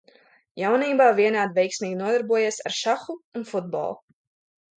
Jaunībā vienādi veiksmīgi nodarbojies ar šahu un futbolu.